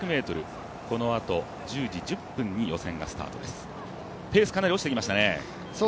このあと１０時１０分に予選がスタートです。